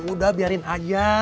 udah biarin aja